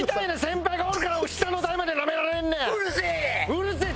うるせえ！